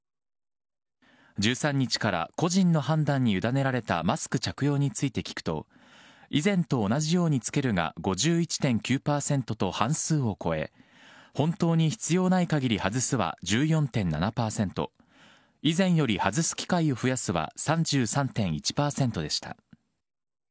１３日から個人の判断に委ねられたマスク着用について聞くと、以前と同じように着けるが５１．９％と半数を超え、本当に必要ないかぎり外すは１４．７％、以前より外す機会を増やすは３３．１％でした。